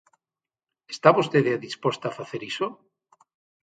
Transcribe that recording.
¿Está vostede disposta a facer iso?